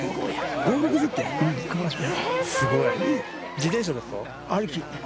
自転車ですか？